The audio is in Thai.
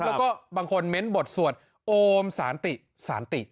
และก็บางคนเม้นบทสวดโอมสารติ